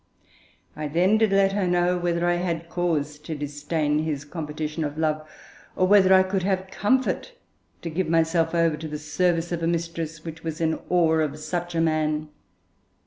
I then did let her know, whether I had cause to disdain his competition of love, or whether I could have comfort to give myself over to the service of a mistress which was in awe of such a man.